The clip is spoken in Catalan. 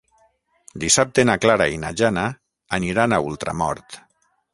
Dissabte na Clara i na Jana aniran a Ultramort.